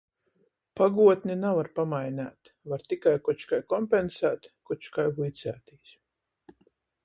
Paguotni navar pamaineit, var tikai koč kai kompensēt, koč kai vuiceitīs.